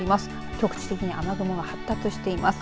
局地的に雨雲が発達しています。